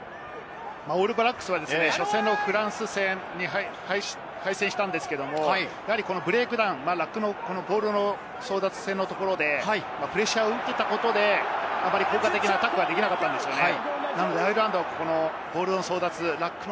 オールブラックスは初戦のフランス戦に敗戦したんですけれども、ブレイクダウン、ボールの争奪戦のところでプレッシャーを受けたことで効果的なアタックができなかったんですよね。